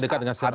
itu artinya juga